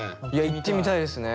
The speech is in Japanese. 行ってみたいですね。